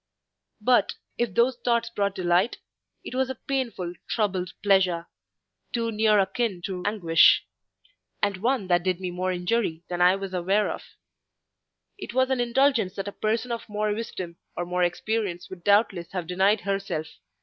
But, if those thoughts brought delight, it was a painful, troubled pleasure, too near akin to anguish; and one that did me more injury than I was aware of. It was an indulgence that a person of more wisdom or more experience would doubtless have denied herself.